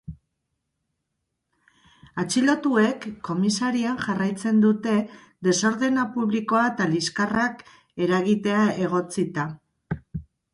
Atxilotuek komisarian jarraitzen dute desordena publikoa eta liskarrak eragitea egotzita.